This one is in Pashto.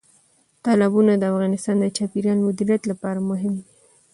تالابونه د افغانستان د چاپیریال مدیریت لپاره مهم دي.